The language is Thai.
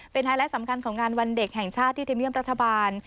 เป็นไฮไลท์สำคัญของงานวันเด็กแห่งชาติที่ธรรมเนียมรัฐบาล